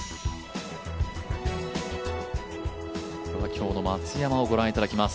今日の松山をご覧いただきます。